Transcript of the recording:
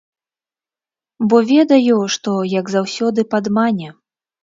Бо ведаю, што, як заўсёды, падмане.